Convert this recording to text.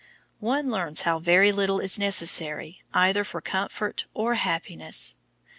One learns how very little is necessary either for comfort or happiness.